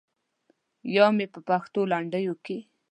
یا مې په پښتو لنډیو کې.